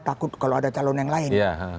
takut kalau ada calon yang lain